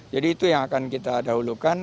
jadi itu yang akan kita dahulukan